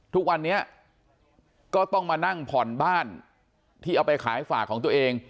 ทุกวันนี้ก็ต้องมานั่งผ่อนบ้านที่เอาไปขายฝากของตัวเอง